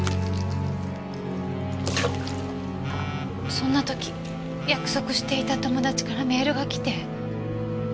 そんな時約束していた友達からメールが来て。